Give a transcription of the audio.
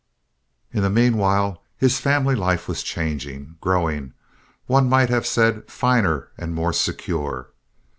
In the meanwhile his family life was changing—growing, one might have said, finer and more secure.